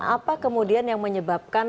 apa kemudian yang menyebabkan